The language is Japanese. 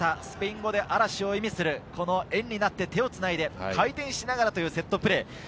スペイン語で嵐を意味する円になって手をつないで回転しながらというセットプレー。